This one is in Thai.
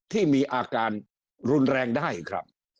ที่มีอาการรุนแรงได้ครับ